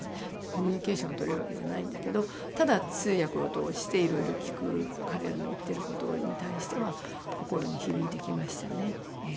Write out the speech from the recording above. コミュニケーションとれるわけじゃないんだけどただ通訳を通していろいろ聞く彼らの言ってることに対しては心に響いてきましたねええ。